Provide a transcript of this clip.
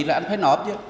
là anh phải nộp chứ